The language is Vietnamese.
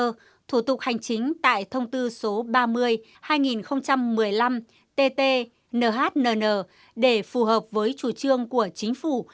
sửa đổi bổ sung các quy định về hành chính tại thông tư số ba mươi hai nghìn một mươi năm tt nhnn để phù hợp với chủ trương của chính phủ